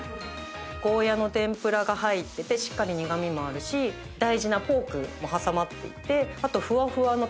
ゴーヤの天ぷらが入っててしっかり苦味もあるし大事なポークも挟まっていてあとフワフワのたまご。